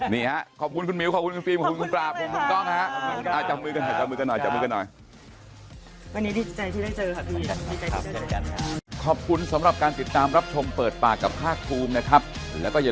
นี่ฮะขอบคุณคุณมิวขอบคุณคุณฟิล์มขอบคุณคุณปราบผมคุณกล้องฮะ